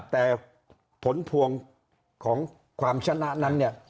แต่ผลพวงของความชนะนั้นเนี่ย